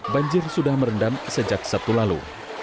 banjir sudah merendam sejak sabtu lalu